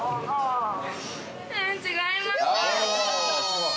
違います。